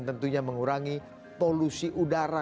tentunya mengurangi polusi udara